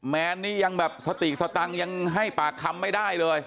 แนนนี่ยังแบบสติสตังค์ยังให้ปากคำไม่ได้เลย